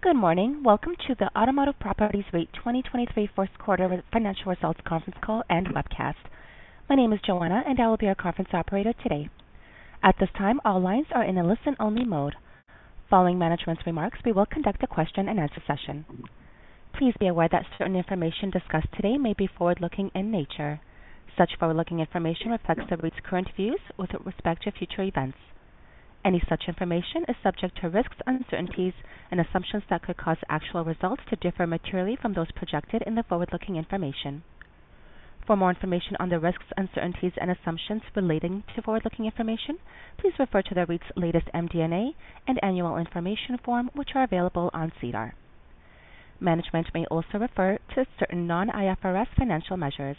Good morning. Welcome to the Automotive Properties REIT 2023 first quarter financial results conference call and webcast. My name is Joanna, and I will be your conference operator today. At this time, all lines are in a listen-only mode. Following management's remarks, we will conduct a question-and-answer session. Please be aware that certain information discussed today may be forward-looking in nature. Such forward-looking information reflects the REIT's current views with respect to future events. Any such information is subject to risks and uncertainties and assumptions that could cause actual results to differ materially from those projected in the forward-looking information. For more information on the risks, uncertainties, and assumptions relating to forward-looking information, please refer to the REIT's latest MD&A and Annual Information Form, which are available on SEDAR. Management may also refer to certain non-IFRS financial measures.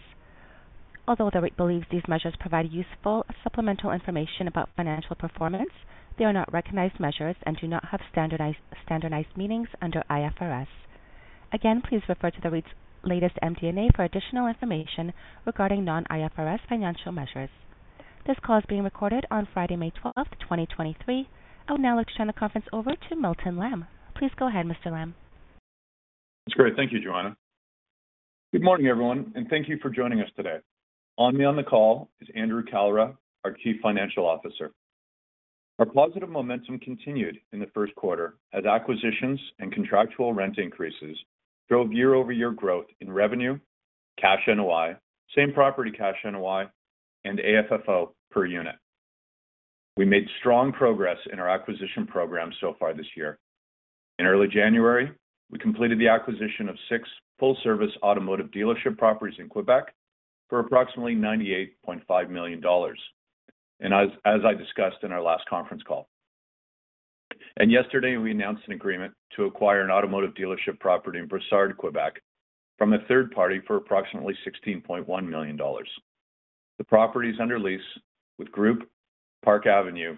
Although the REIT believes these measures provide useful supplemental information about financial performance, they are not recognized measures and do not have standardized meanings under IFRS. Please refer to the REIT's latest MD&A for additional information regarding non-IFRS financial measures. This call is being recorded on Friday, May 12th, 2023. I would now like to turn the conference over to Milton Lamb. Please go ahead, Mr. Lamb. That's great. Thank you, Joanna. Good morning, everyone, thank you for joining us today. On me on the call is Andrew Kalra, our Chief Financial Officer. Our positive momentum continued in the first quarter as acquisitions and contractual rent increases drove year-over-year growth in revenue, cash NOI, same-property cash NOI, and AFFO per unit. We made strong progress in our acquisition program so far this year. In early January, we completed the acquisition of six full-service automotive dealership properties in Quebec for approximately 98.5 million dollars. As I discussed in our last conference call. Yesterday, we announced an agreement to acquire an automotive dealership property in Brossard, Quebec from 1/3 party for approximately 16.1 million dollars. The property is under lease with Groupe Park Avenue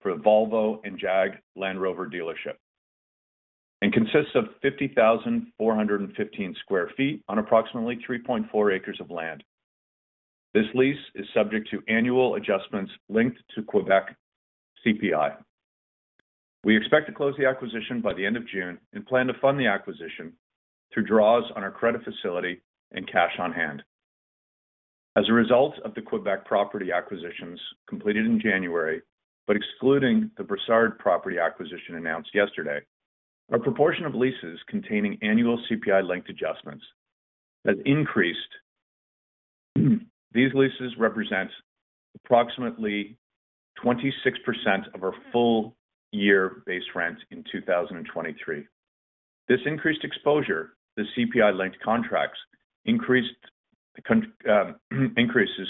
for the Volvo and Jag Land Rover dealership and consists of 50,415 sq ft on approximately 3.4 acres of land. This lease is subject to annual adjustments linked to Quebec CPI. We expect to close the acquisition by the end of June and plan to fund the acquisition through draws on our credit facility and cash on hand. As a result of the Quebec property acquisitions completed in January, but excluding the Brossard property acquisition announced yesterday, a proportion of leases containing annual CPI-linked adjustments has increased. These leases represent approximately 26% of our full year base rent in 2023. This increased exposure to CPI-linked contracts increases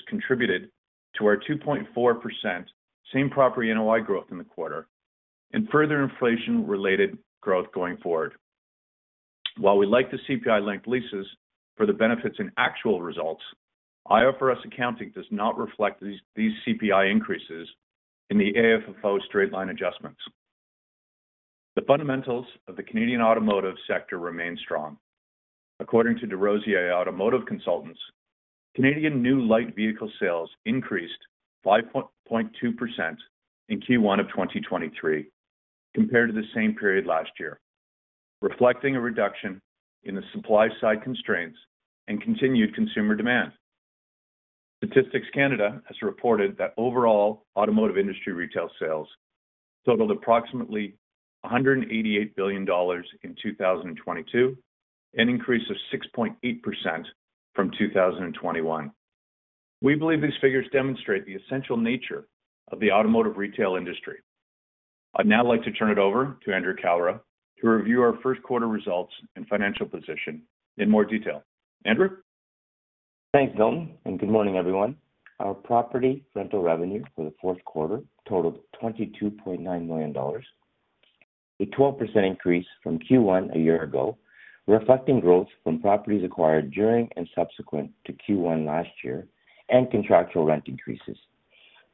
contributed to our 2.4% same-property NOI growth in the quarter and further inflation-related growth going forward. While we like the CPI-linked leases for the benefits in actual results, IFRS accounting does not reflect these CPI increases in the AFFO straight-line adjustments. The fundamentals of the Canadian automotive sector remain strong. According to DesRosiers Automotive Consultants, Canadian new light vehicle sales increased 5.2% in Q1 of 2023 compared to the same period last year, reflecting a reduction in the supply-side constraints and continued consumer demand. Statistics Canada has reported that overall automotive industry retail sales totaled approximately 188 billion dollars in 2022, an increase of 6.8% from 2021. We believe these figures demonstrate the essential nature of the automotive retail industry. I'd now like to turn it over to Andrew Kalra to review our first quarter results and financial position in more detail. Andrew? Thanks, Milton. Good morning, everyone. Our property rental revenue for the fourth quarter totaled 22.9 million dollars, a 12% increase from Q1 a year ago, reflecting growth from properties acquired during and subsequent to Q1 last year and contractual rent increases.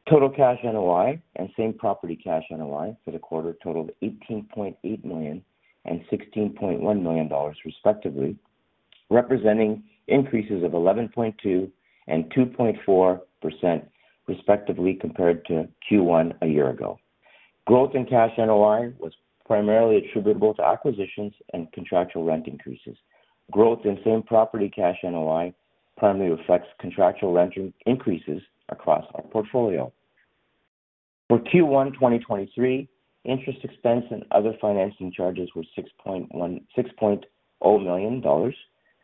Total cash NOI and same-property cash NOI for the quarter totaled 18.8 million and 16.1 million dollars respectively, representing increases of 11.2% and 2.4% respectively compared to Q1 a year ago. Growth in cash NOI was primarily attributable to acquisitions and contractual rent increases. Growth in same-property cash NOI primarily reflects contractual rent increases across our portfolio. For Q1 2023, interest expense and other financing charges were 6.0 million dollars,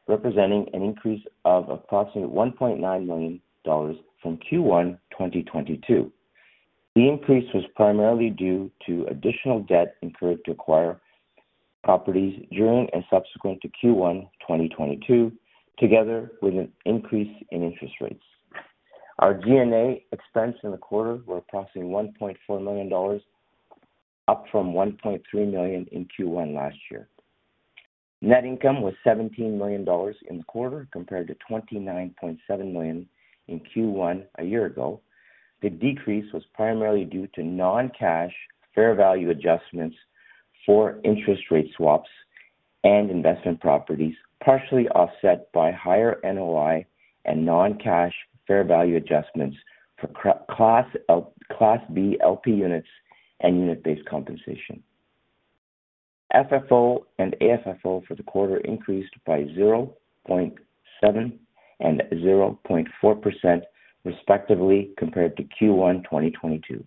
representing an increase of approximately 1.9 million dollars from Q1 2022. The increase was primarily due to additional debt incurred to acquire properties during and subsequent to Q1 2022, together with an increase in interest rates. Our G&A expense in the quarter were approximately 1.4 million dollars, up from 1.3 million in Q1 last year. Net income was 17 million dollars in the quarter, compared to 29.7 million in Q1 a year ago. The decrease was primarily due to non-cash fair value adjustments for interest rate swaps and investment properties partially offset by higher NOI and non-cash fair value adjustments for Class B LP units and unit-based compensation. FFO and AFFO for the quarter increased by 0.7% and 0.4% respectively, compared to Q1 2022.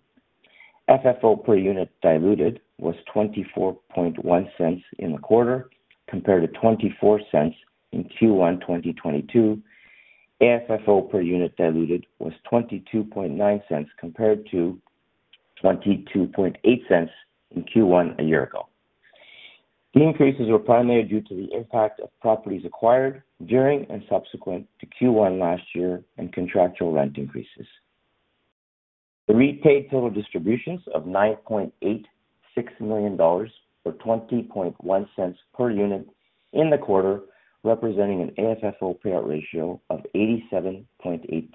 FFO per unit diluted was 0.241 in the quarter compared to 0.24 in Q1 2022. AFFO per unit diluted was 0.229 compared to 0.228 in Q1 a year ago. The increases were primarily due to the impact of properties acquired during and subsequent to Q1 last year and contractual rent increases. The REIT paid total distributions of 9.86 million dollars, or 0.201 per unit in the quarter, representing an AFFO payout ratio of 87.8%.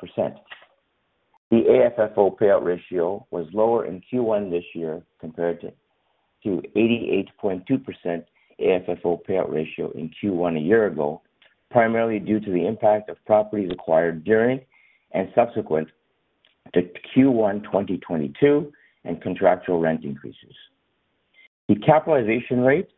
The AFFO payout ratio was lower in Q1 this year compared to 88.2% AFFO payout ratio in Q1 a year ago, primarily due to the impact of properties acquired during and subsequent to Q1 2022 and contractual rent increases. The capitalization rate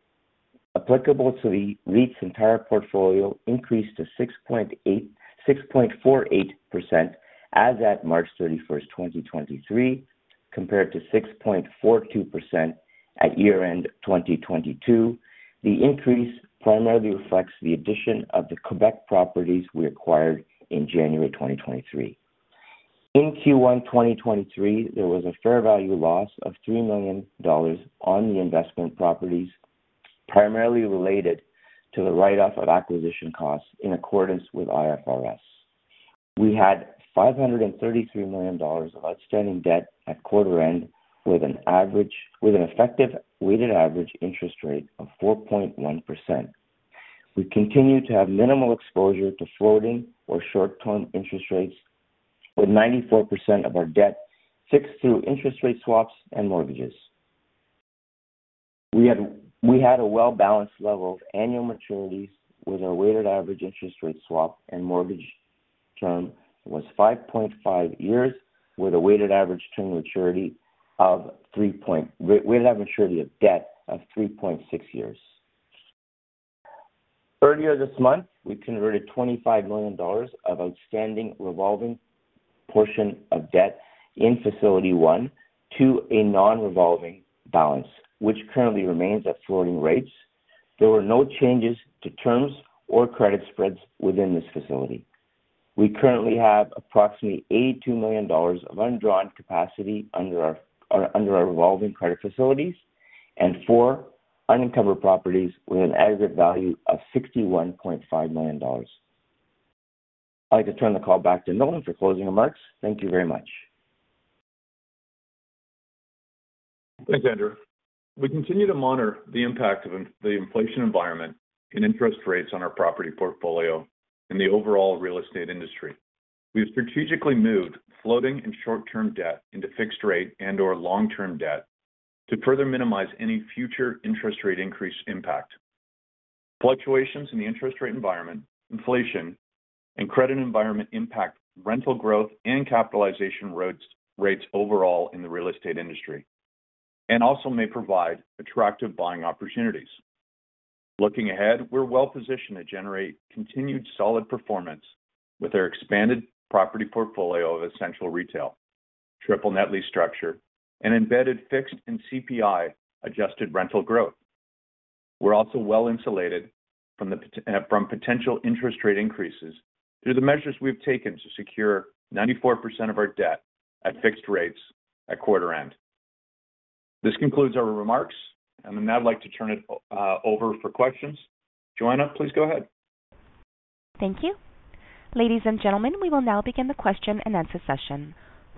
applicable to the REIT's entire portfolio increased to 6.48% as at March 31, 2023, compared to 6.42% at year-end, 2022. The increase primarily reflects the addition of the Quebec properties we acquired in January 2023. In Q1 2023, there was a fair value loss of $3 million on the investment properties, primarily related to the write-off of acquisition costs in accordance with IFRS. We had $533 million of outstanding debt at quarter end, with an effective weighted average interest rate of 4.1%. We continue to have minimal exposure to floating or short-term interest rates, with 94% of our debt fixed through interest rate swaps and mortgages. We had a well balanced level of annual maturities with our weighted average interest rate swap and mortgage term was 5.5 years, with a weighted average maturity of debt of 3.6 years. Earlier this month, we converted 25 million dollars of outstanding revolving portion of debt in facility 1 to a non-revolving balance, which currently remains at floating rates. There were no changes to terms or credit spreads within this facility. We currently have approximately 82 million dollars of undrawn capacity under our revolving credit facilities and four unencumbered properties with an aggregate value of 61.5 million dollars. I'd like to turn the call back to Milton for closing remarks. Thank you very much. Thanks, Andrew. We continue to monitor the impact of the inflation environment and interest rates on our property portfolio in the overall real estate industry. We've strategically moved floating and short-term debt into fixed rate and/or long-term debt to further minimize any future interest rate increase impact. Fluctuations in the interest rate environment, inflation, and credit environment impact rental growth and capitalization rates overall in the real estate industry, and also may provide attractive buying opportunities. Looking ahead, we're well positioned to generate continued solid performance with our expanded property portfolio of essential retail, triple net lease structure, and embedded fixed and CPI adjusted rental growth. We're also well-insulated from potential interest rate increases through the measures we've taken to secure 94% of our debt at fixed rates at quarter end. This concludes our remarks, and I'd like to turn it over for questions. Joanna, please go ahead. Thank you. Ladies and gentlemen, we will now begin the question-and-answer session.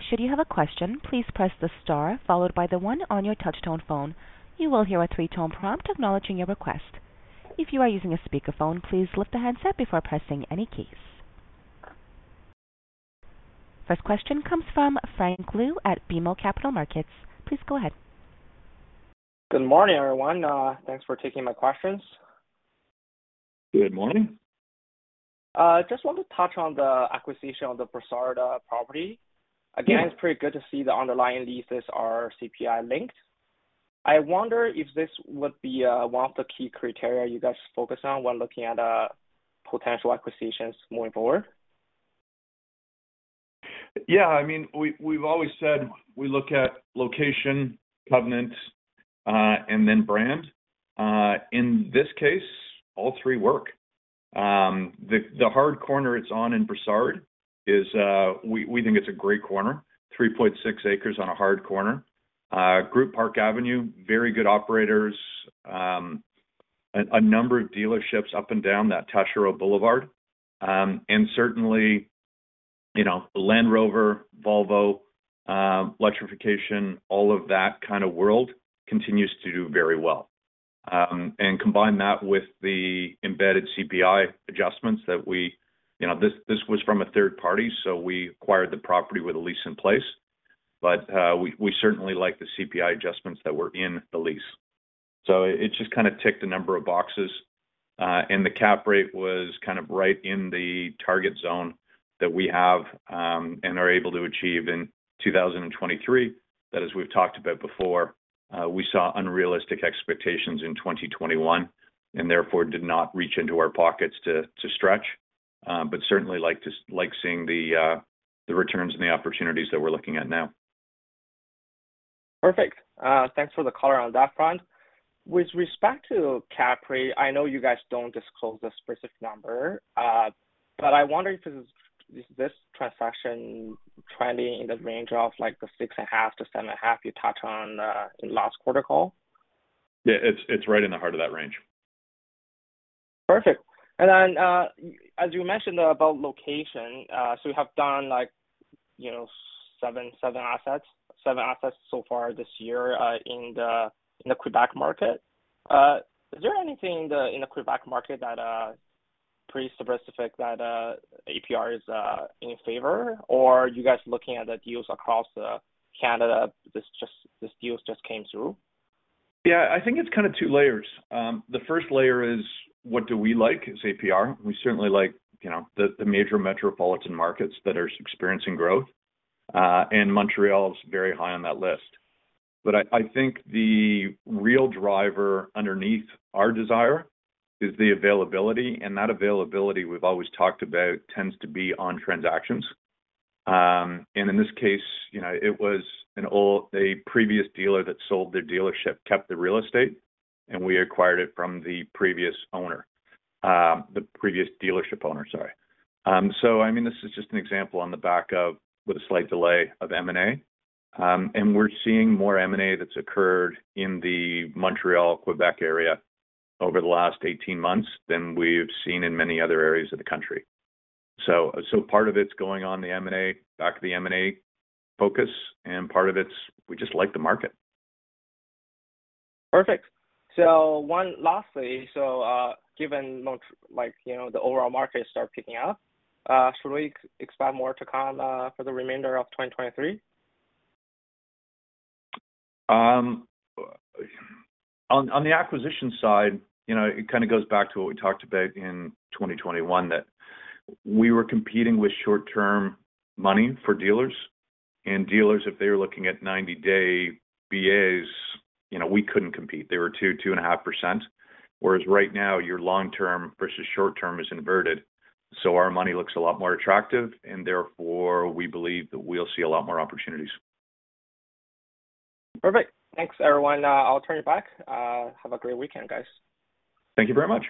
Should you have a question, please press the star followed by the one on your touch tone phone. You will hear a three-tone prompt acknowledging your request. If you are using a speakerphone, please lift the handset before pressing any keys. First question comes from Frank Lu at BMO Capital Markets. Please go ahead. Good morning, everyone. Thanks for taking my questions. Good morning. Just want to touch on the acquisition of the Brossard property. It's pretty good to see the underlying leases are CPI linked. I wonder if this would be one of the key criteria you guys focus on when looking at potential acquisitions moving forward. Yeah. I mean, we've always said we look at location, covenant, and then brand. In this case, all three work. The hard corner it's on in Brossard is, we think it's a great corner, 3.6 acres on a hard corner. Groupe Park Avenue, very good operators. A number of dealerships up and down that Taschereau Boulevard. Certainly, you know, Land Rover, Volvo, electrification, all of that kind of world continues to do very well. Combine that with the embedded CPI adjustments. You know, this was from 1/3 party, so we acquired the property with a lease in place. But, we certainly like the CPI adjustments that were in the lease. It just kind of ticked a number of boxes. The cap rate was kind of right in the target zone that we have, and are able to achieve in 2023. That, as we've talked about before, we saw unrealistic expectations in 2021, and therefore did not reach into our pockets to stretch. Certainly like seeing the returns and the opportunities that we're looking at now. Perfect. Thanks for the color on that front. With respect to cap rate, I know you guys don't disclose the specific number, but I wonder if this transaction trending in the range of like the 6.5%-7.5% you touched on in last quarter call? Yeah, it's right in the heart of that range. Perfect. Then, as you mentioned about location, you have done, like, you know, seven assets so far this year, in the Quebec market. Is there anything in the Quebec market that pretty specific that APR is in favor? Or are you guys looking at the deals across Canada, these deals just came through? Yeah, I think it's kind of two layers. The first layer is what do we like as APR. We certainly like, you know, the major metropolitan markets that are experiencing growth, and Montreal is very high on that list. I think the real driver underneath our desire is the availability, and that availability we've always talked about tends to be on transactions. In this case, you know, it was a previous dealer that sold their dealership, kept the real estate, and we acquired it from the previous owner. The previous dealership owner, sorry. I mean, this is just an example on the back of, with a slight delay of M&A. We're seeing more M&A that's occurred in the Montreal, Quebec area over the last 18 months than we've seen in many other areas of the country. Part of it's going on the M&A, back to the M&A focus, and part of it's we just like the market. Perfect. One lastly. Given like, you know, the overall market start picking up, should we expect more to come for the remainder of 2023? On the acquisition side, you know, it kind of goes back to what we talked about in 2021, that we were competing with short-term money for dealers. Dealers, if they were looking at 90-day BAs, you know, we couldn't compete. They were 2.5%. Right now, your long-term versus short-term is inverted. Our money looks a lot more attractive. Therefore, we believe that we'll see a lot more opportunities. Perfect. Thanks, everyone. I'll turn it back. Have a great weekend, guys. Thank you very much.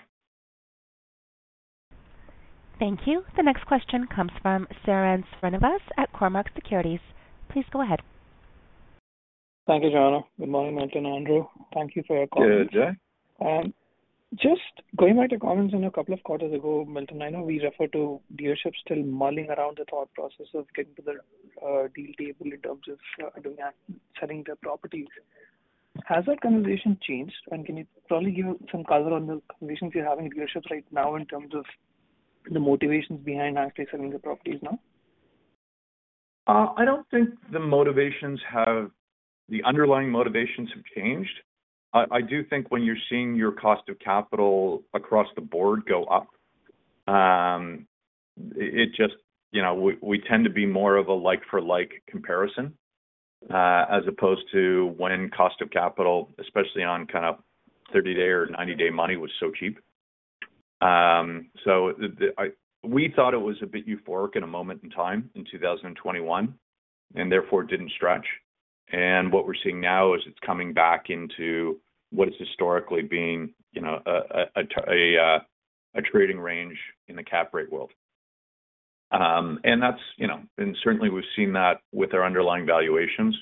Thank you. The next question comes from Sairam Srinivas at Cormark Securities. Please go ahead. Thank you, Joanna. Good morning, Milton and Andrew. Thank you for your comments. Good day. Just going by the comments on a couple of quarters ago, Milton, I know we refer to dealerships still mulling around the thought process of getting to the deal table in terms of selling their properties. Has that conversation changed? Can you probably give some color on the conversations you're having with dealerships right now in terms of the motivations behind actually selling the properties now? I don't think the underlying motivations have changed. I do think when you're seeing your cost of capital across the board go up, you know, we tend to be more of a like for like comparison as opposed to when cost of capital, especially on kind of 30-day or 90-day money, was so cheap. We thought it was a bit euphoric in a moment in time in 2021, and therefore didn't stretch. What we're seeing now is it's coming back into what is historically being, you know, a trading range in the cap rate world. That's, you know, and certainly we've seen that with our underlying valuations.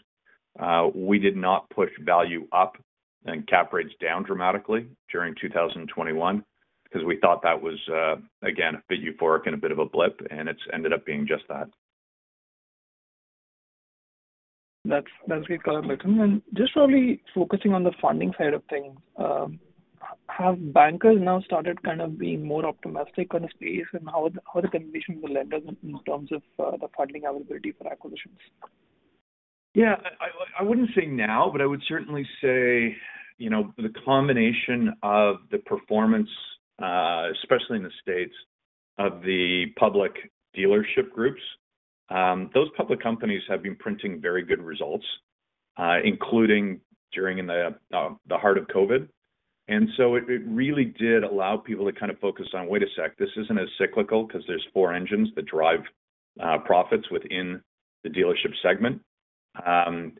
We did not push value up and cap rates down dramatically during 2021 because we thought that was, again, a bit euphoric and a bit of a blip, and it's ended up being just that. That's great color, Milton. Just probably focusing on the funding side of things, have bankers now started kind of being more optimistic on the space and how the conversations with lenders in terms of the funding availability for acquisitions? Yeah. I wouldn't say now, but I would certainly say, you know, the combination of the performance, especially in the States, of the public dealership groups, those public companies have been printing very good results, including during the heart of COVID. It really did allow people to kind of focus on, wait a sec, this isn't as cyclical because there's four engines that drive profits within the dealership segment. And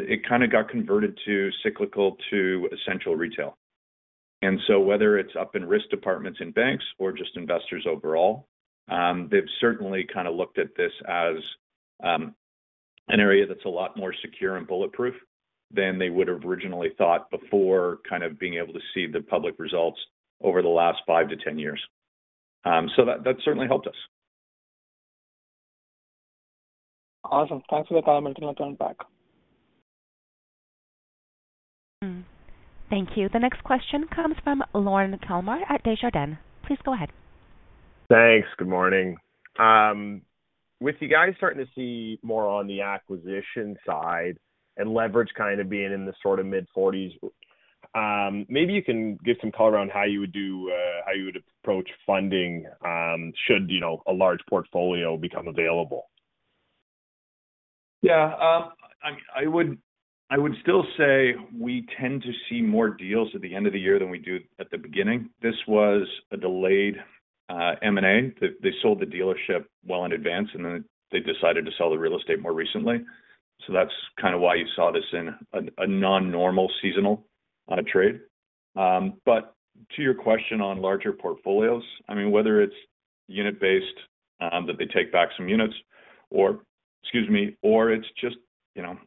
it kinda got converted to cyclical to essential retail. Whether it's up in risk departments in banks or just investors overall, they've certainly kind of looked at this as an area that's a lot more secure and bulletproof than they would have originally thought before kind of being able to see the public results over the last five to 10 years. That certainly helped us. Awesome. Thanks for the comment, Milton. I'll turn it back. Thank you. The next question comes from Lorne Kalmar at Desjardins. Please go ahead. Thanks. Good morning. With you guys starting to see more on the acquisition side and leverage kind of being in the sort of mid-40s, maybe you can give some color on how you would approach funding, should, you know, a large portfolio become available? Yeah. I would still say we tend to see more deals at the end of the year than we do at the beginning. This was a delayed M&A. They sold the dealership well in advance, then they decided to sell the real estate more recently. That's kinda why you saw this in a non-normal seasonal trade. But to your question on larger portfolios, I mean, whether it's unit-based, that they take back some units or, excuse me, or it's just, you know...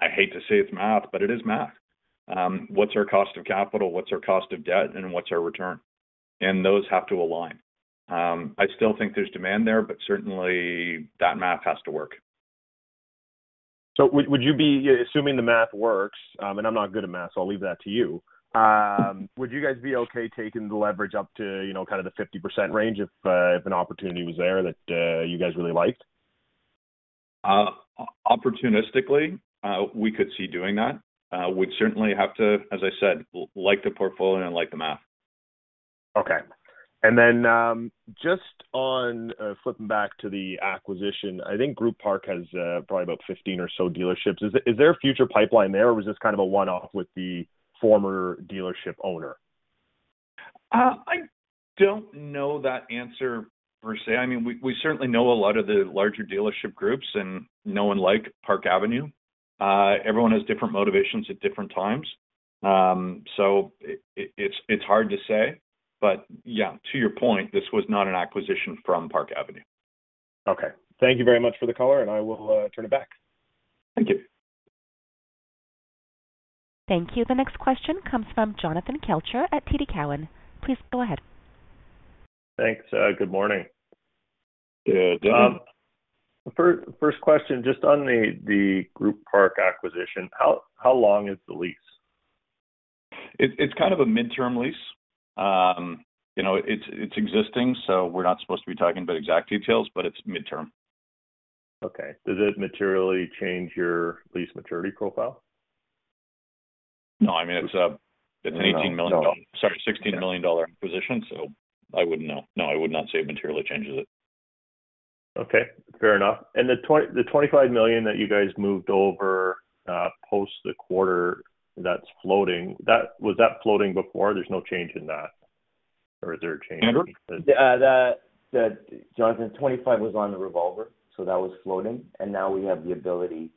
I hate to say it's math, but it is math. What's our cost of capital, what's our cost of debt, and what's our return? Those have to align. I still think there's demand there, but certainly that math has to work. Would you be, assuming the math works, and I'm not good at math, so I'll leave that to you, would you guys be okay taking the leverage up to, you know, kind of the 50% range if an opportunity was there that you guys really liked? Opportunistically, we could see doing that. We'd certainly have to, as I said, like the portfolio and like the math. Okay. Then, just on, flipping back to the acquisition, I think Groupe Park has, probably about 15 or so dealerships. Is there a future pipeline there, or was this kind of a one-off with the former dealership owner? I don't know that answer per se. I mean, we certainly know a lot of the larger dealership groups and know and like Park Avenue. Everyone has different motivations at different times. It's, it's hard to say. Yeah, to your point, this was not an acquisition from Park Avenue. Okay. Thank you very much for the color. I will turn it back. Thank you. Thank you. The next question comes from Jonathan Kelcher at TD Cowen. Please go ahead. Thanks. Good morning. Good day. first question, just on the Groupe Park acquisition, how long is the lease? It's kind of a midterm lease. You know, it's existing, We're not supposed to be talking about exact details, It's midterm. Does it materially change your lease maturity profile? No. I mean, it's. No. No. It's a 16 million dollar acquisition. No. No, I would not say it materially changes it. Okay. Fair enough. The 25 million that you guys moved over post the quarter that's floating, was that floating before? There's no change in that or is there a change? Andrew? Jonathan, 25 was on the revolver, so that was floating. Now we have the ability,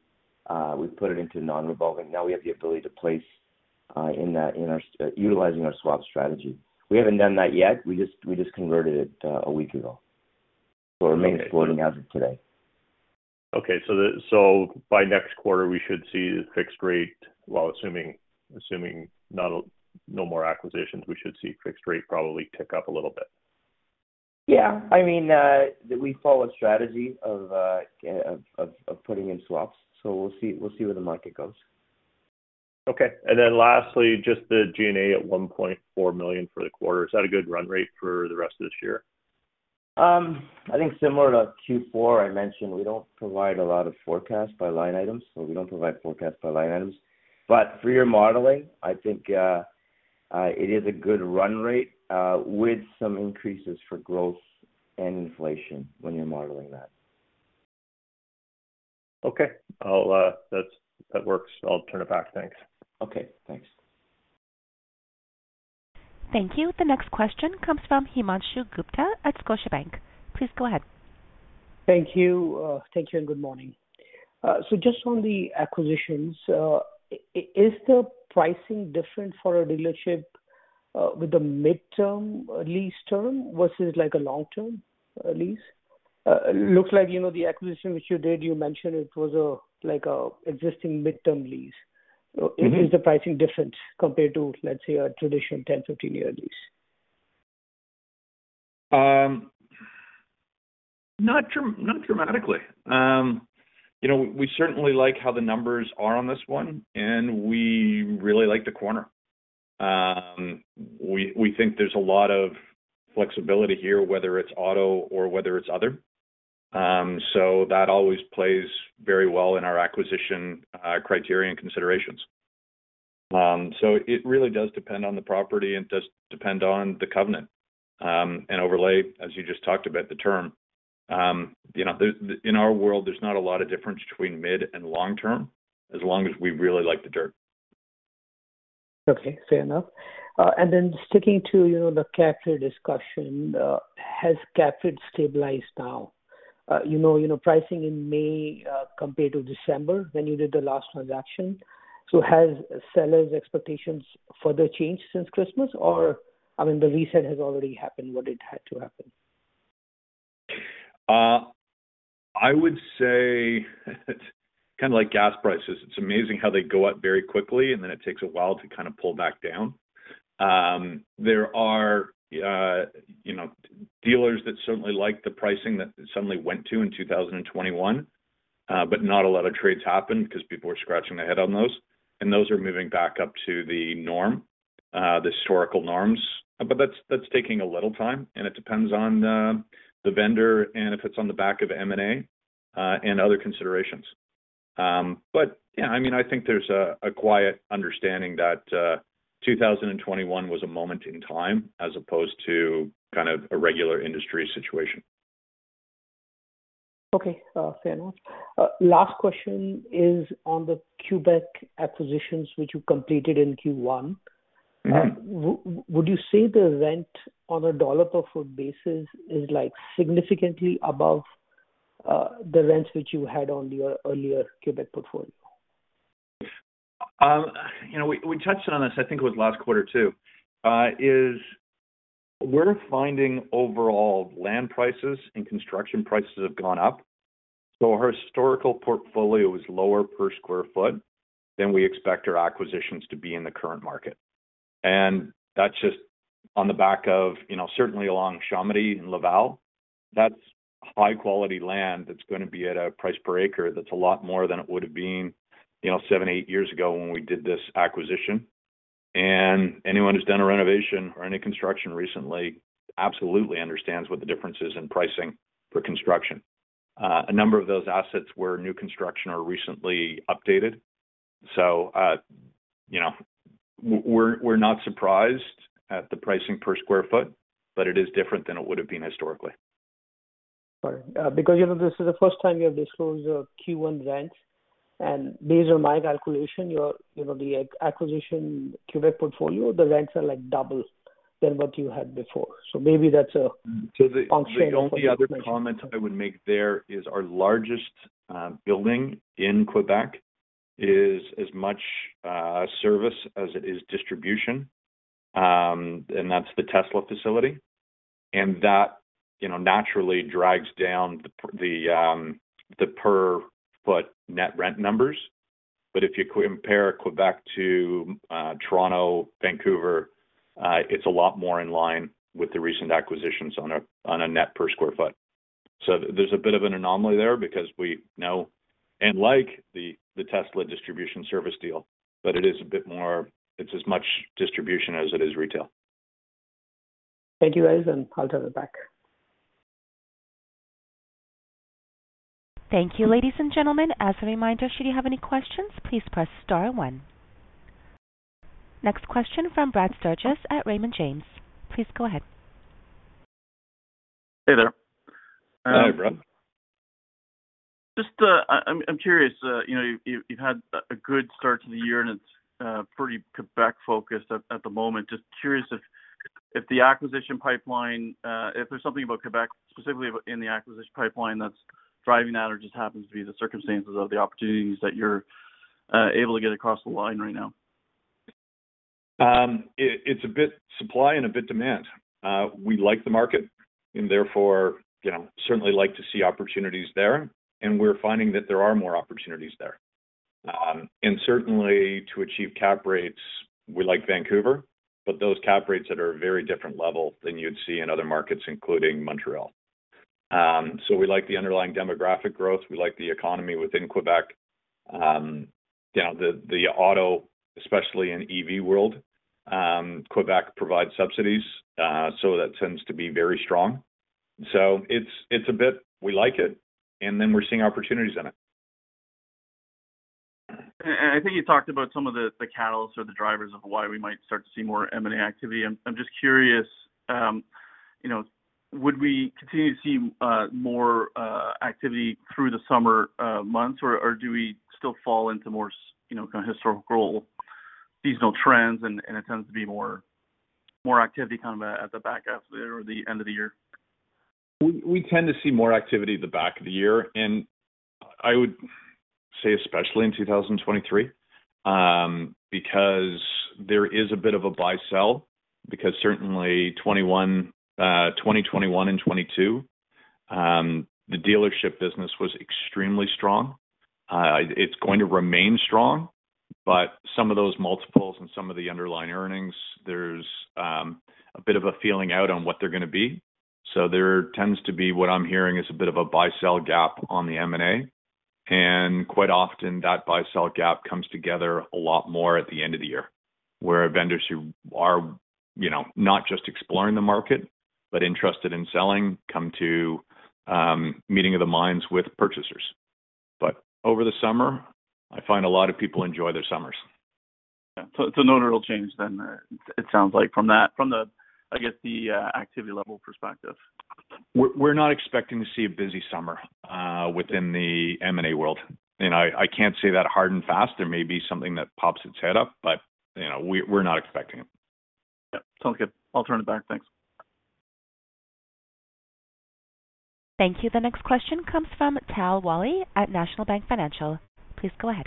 we've put it into non-revolving. Now we have the ability to place, in that, utilizing our swap strategy. We haven't done that yet. We just converted it a week ago. It remains floating as of today. Okay. The, so by next quarter, we should see the fixed rate. Well, assuming not no more acquisitions, we should see fixed rate probably tick up a little bit. Yeah. I mean, we follow a strategy of putting in swaps. We'll see where the market goes. Okay. Lastly, just the G&A at 1.4 million for the quarter, is that a good run rate for the rest of this year? I think similar to Q4, I mentioned we don't provide a lot of forecasts by line items, so we don't provide forecasts by line items. For your modeling, I think, it is a good run rate, with some increases for growth and inflation when you're modeling that. Okay. I'll, That works. I'll turn it back. Thanks. Okay. Thanks. Thank you. The next question comes from Himanshu Gupta at Scotiabank. Please go ahead. Thank you. Thank you, and good morning. Just on the acquisitions, is the pricing different for a dealership, with the midterm lease term versus like a long-term lease? Looks like, you know, the acquisition which you did, you mentioned it was a, like a existing midterm lease. Mm-hmm. Is the pricing different compared to, let's say, a traditional 10-15-year lease? Not dramatically. You know, we certainly like how the numbers are on this one, and we really like the corner. We think there's a lot of flexibility here, whether it's auto or whether it's other. That always plays very well in our acquisition criteria and considerations. It really does depend on the property and does depend on the covenant. Overlay, as you just talked about, the term. You know, in our world, there's not a lot of difference between mid and long term, as long as we really like the dirt. Okay. Fair enough. Sticking to, you know, the Caprate discussion, has Caprate stabilized now? You know, pricing in May, compared to December when you did the last transaction. Has sellers' expectations further changed since Christmas or, I mean, the reset has already happened what it had to happen? I would say kind of like gas prices. It's amazing how they go up very quickly, and then it takes a while to kind of pull back down. There are, you know, dealers that certainly like the pricing that it suddenly went to in 2021, but not a lot of trades happened because people were scratching their head on those, and those are moving back up to the norm, the historical norms. But that's taking a little time, and it depends on the vendor and if it's on the back of M&A and other considerations. But yeah, I mean, I think there's a quiet understanding that 2021 was a moment in time as opposed to kind of a regular industry situation. Okay. fair enough. last question is on the Quebec acquisitions which you completed in Q1. Mm-hmm. Would you say the rent on a CAD per foot basis is, like, significantly above the rents which you had on your earlier Quebec portfolio? You know, we touched on this, I think it was last quarter too. We're finding overall land prices and construction prices have gone up, so our historical portfolio is lower per square foot than we expect our acquisitions to be in the current market. That's just on the back of, you know, certainly along Chomedey and Laval. That's high quality land that's gonna be at a price per acre that's a lot more than it would have been, you know, seven, eight years ago when we did this acquisition. Anyone who's done a renovation or any construction recently absolutely understands what the difference is in pricing for construction. A number of those assets were new construction or recently updated. You know, we're not surprised at the pricing per square foot, but it is different than it would have been historically. All right. Because, you know, this is the first time you have disclosed your Q1 rent. Based on my calculation, your, you know, the acquisition Quebec portfolio, the rents are like double than what you had before. Maybe that's a function. The only other comment I would make there is our largest building in Quebec is as much service as it is distribution, and that's the Tesla facility. That, you know, naturally drags down the per foot net rent numbers. If you compare Quebec to Toronto, Vancouver, it's a lot more in line with the recent acquisitions on a net per square foot. There's a bit of an anomaly there because we know and like the Tesla distribution service deal, but it is a bit more, it's as much distribution as it is retail. Thank you, guys. I'll turn it back. Thank you, ladies and gentlemen. As a reminder, should you have any questions, please press star one. Next question from Brad Sturges at Raymond James. Please go ahead. Hey there. Hi, Brad. Just, I'm curious, you know, you've had a good start to the year and it's, pretty Quebec focused at the moment. Just curious if the acquisition pipeline, if there's something about Quebec specifically in the acquisition pipeline that's driving that or just happens to be the circumstances of the opportunities that you're, able to get across the line right now? It, it's a bit supply and a bit demand. We like the market and therefore, you know, certainly like to see opportunities there, and we're finding that there are more opportunities there. Certainly to achieve cap rates, we like Vancouver, but those cap rates that are very different level than you'd see in other markets, including Montreal. We like the underlying demographic growth. We like the economy within Quebec. You know, the auto, especially in EV world, Quebec provides subsidies, so that tends to be very strong. It's, it's a bit we like it, and then we're seeing opportunities in it. I think you talked about some of the catalysts or the drivers of why we might start to see more M&A activity. I'm just curious, you know, would we continue to see more activity through the summer months or do we still fall into more you know, kind of historical seasonal trends and it tends to be more activity kind of at the back half there or the end of the year? We tend to see more activity at the back of the year. I would say especially in 2023, because there is a bit of a buy-sell, because certainly 2021 and 2022, the dealership business was extremely strong. It's going to remain strong, but some of those multiples and some of the underlying earnings, there's a bit of a feeling out on what they're gonna be. There tends to be what I'm hearing is a bit of a buy-sell gap on the M&A, and quite often that buy-sell gap comes together a lot more at the end of the year, where vendors who are, you know, not just exploring the market, but interested in selling, come to meeting of the minds with purchasers. Over the summer, I find a lot of people enjoy their summers. Yeah. No notable change then, it sounds like from that, from the, I guess, the activity level perspective. We're not expecting to see a busy summer within the M&A world. I can't say that hard and fast. There may be something that pops its head up, but, you know, we're not expecting it. Yeah. Sounds good. I'll turn it back. Thanks. Thank you. The next question comes from Tal Woolley at National Bank Financial. Please go ahead.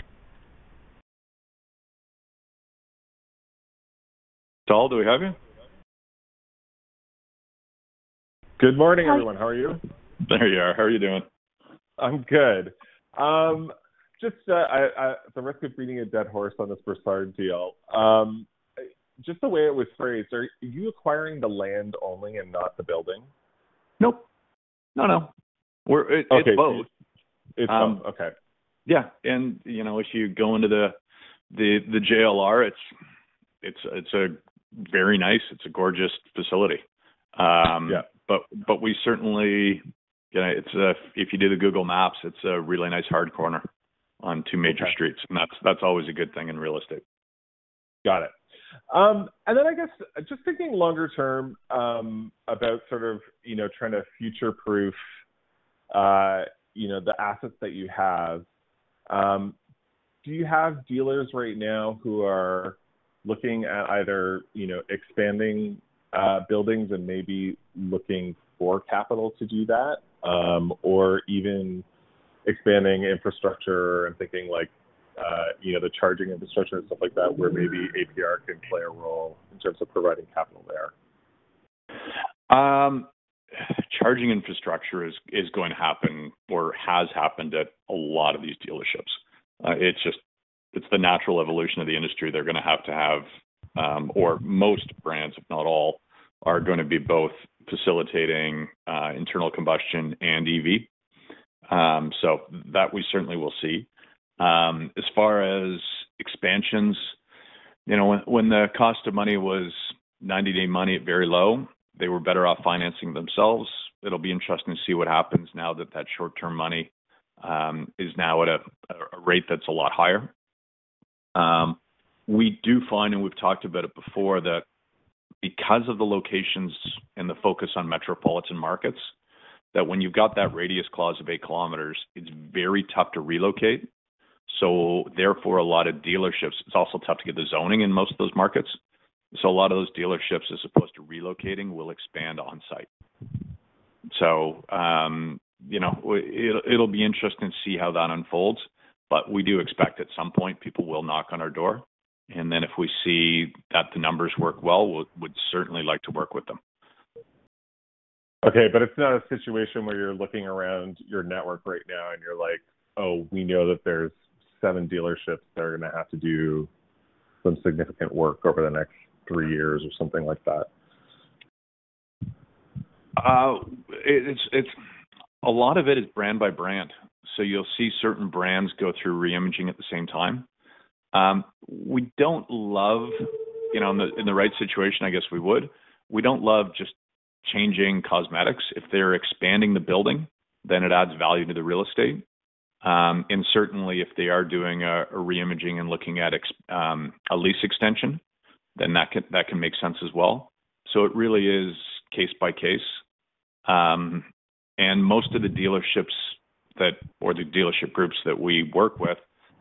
Tal, do we have you? Good morning, everyone. How are you? There you are. How are you doing? I'm good. At the risk of beating a dead horse on this Brossard deal, just the way it was phrased, are you acquiring the land only and not the building? Nope. No, no. Okay. It's both. It's both. Okay. Yeah. You know, if you go into the JLR, it's a very nice, it's a gorgeous facility. Yeah. We certainly... You know, if you do the Google Maps, it's a really nice hard corner on two major streets. Okay. That's always a good thing in real estate. Got it. I guess just thinking longer term, about sort of, you know, trying to future-proof, you know, the assets that you have, do you have dealers right now who are looking at either, you know, expanding buildings and maybe looking for capital to do that, or even expanding infrastructure and thinking like, you know, the charging infrastructure and stuff like that, where maybe APR can play a role in terms of providing capital there? Charging infrastructure is going to happen or has happened at a lot of these dealerships. It's just, it's the natural evolution of the industry. They're gonna have to have, or most brands, if not all, are gonna be both facilitating, internal combustion and EV. That we certainly will see. As far as expansions, you know, when the cost of money was 90-day money at very low, they were better off financing themselves. It'll be interesting to see what happens now that that short-term money is now at a rate that's a lot higher. We do find, and we've talked about it before, that because of the locations and the focus on metropolitan markets, that when you've got that radius clause of 8 km, it's very tough to relocate. Therefore, a lot of dealerships, it's also tough to get the zoning in most of those markets. A lot of those dealerships, as opposed to relocating, will expand on-site. You know, it'll be interesting to see how that unfolds, but we do expect at some point people will knock on our door, and then if we see that the numbers work well, we'd certainly like to work with them. Okay, it's not a situation where you're looking around your network right now and you're like, "Oh, we know that there's seven dealerships that are gonna have to do some significant work over the next three years," or something like that. A lot of it is brand by brand. You'll see certain brands go through re-imaging at the same time. We don't love, you know, in the right situation, I guess we would. We don't love just changing cosmetics. If they're expanding the building, then it adds value to the real estate. And certainly if they are doing a re-imaging and looking at a lease extension, then that can make sense as well. It really is case by case. And most of the dealerships or the dealership groups that we work with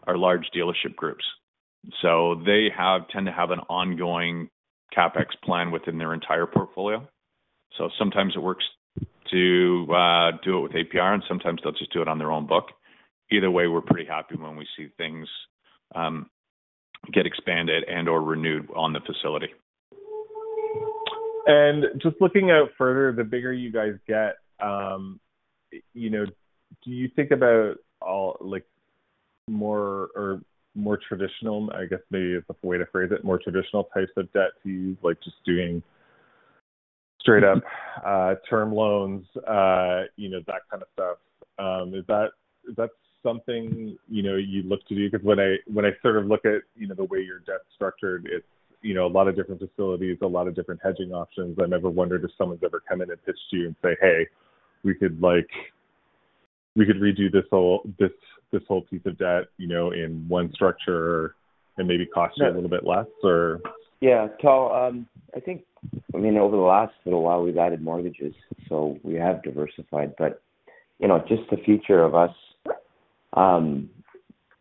are large dealership groups. They tend to have an ongoing CapEx plan within their entire portfolio. Sometimes it works to do it with APR, and sometimes they'll just do it on their own book. Either way, we're pretty happy when we see things get expanded and/or renewed on the facility. Just looking out further, the bigger you guys get, you know, do you think about, like more or more traditional, I guess maybe is the way to phrase it, more traditional types of debt to use, like just doing straight up, term loans, you know, that kind of stuff. Is that, is that something, you know, you'd look to do? Because when I, when I sort of look at, you know, the way your debt's structured, it's, you know, a lot of different facilities, a lot of different hedging options. I never wondered if someone's ever come in and pitched you and say, "Hey, we could like, we could redo this whole piece of debt, you know, in one structure and maybe cost you a little bit less or? Yeah. I think, I mean, over the last little while, we've added mortgages, so we have diversified. You know, just the future of us,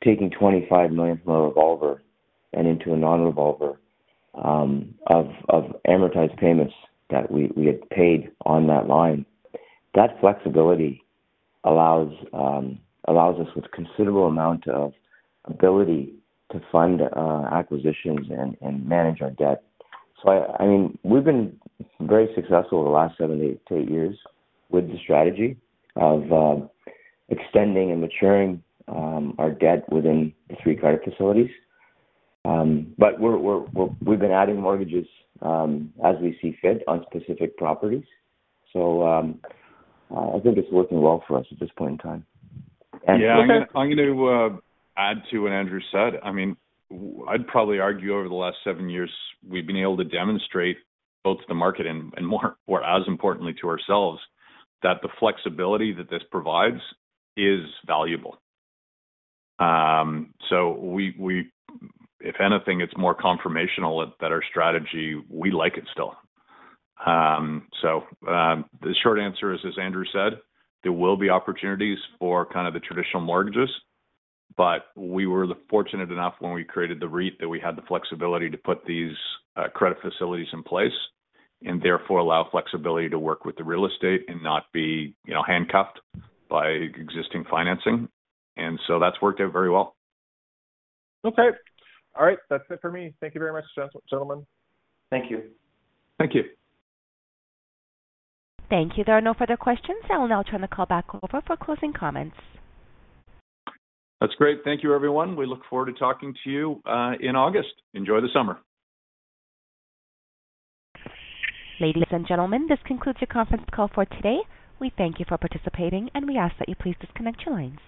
taking 25 million from a revolver and into a non-revolver, of amortized payments that we had paid on that line, that flexibility allows us with considerable amount of ability to fund acquisitions and manage our debt. I mean, we've been very successful the last seven to eight years with the strategy of, extending and maturing, our debt within the three credit facilities. We've been adding mortgages, as we see fit on specific properties. I think it's working well for us at this point in time. Yeah. I'm gonna add to what Andrew said. I mean, I'd probably argue over the last seven years, we've been able to demonstrate both to the market and more or as importantly to ourselves, that the flexibility that this provides is valuable. If anything, it's more confirmational that our strategy, we like it still. The short answer is, as Andrew said, there will be opportunities for kind of the traditional mortgages, but we were fortunate enough when we created the REIT that we had the flexibility to put these credit facilities in place and therefore allow flexibility to work with the real estate and not be, you know, handcuffed by existing financing. That's worked out very well. Okay. All right. That's it for me. Thank you very much, gentlemen. Thank you. Thank you. Thank you. There are no further questions. I will now turn the call back over for closing comments. That's great. Thank you, everyone. We look forward to talking to you, in August. Enjoy the summer. Ladies and gentlemen, this concludes your conference call for today. We thank you for participating. We ask that you please disconnect your lines.